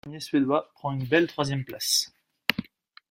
Waldegård, premier Suédois, prend une belle troisième place.